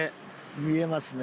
見えますね。